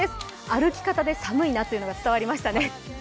歩き方で寒いなというのが伝わりましたね。